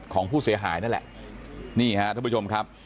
ของผู้เสียหายนั่นแหละนี่ฮะท่านผู้ชมครับ